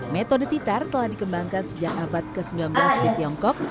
metode titar telah dikembangkan sejak abad ke sembilan belas di tiongkok